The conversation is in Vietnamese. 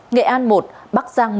nghệ an một bắc giang một